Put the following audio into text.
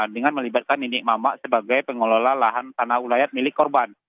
dengan melibatkan nini mamak sebagai pengelola lahan tanah wilayah milik korban